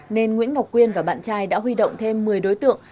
nên nguyễn ngọc quyên và bạn trai đã huy động thêm một mươi đối tượng